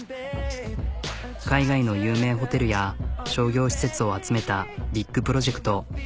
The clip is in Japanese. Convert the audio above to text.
海外の有名ホテルや商業施設を集めたビッグプロジェクト。